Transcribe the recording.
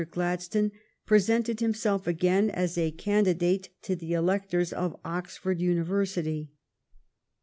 Glad stone presented himself again as a candidate to the electors of Oxford University.